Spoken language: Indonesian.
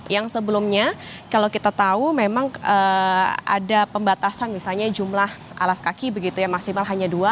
yang sebelumnya kalau kita tahu memang ada pembatasan misalnya jumlah alas kaki begitu ya maksimal hanya dua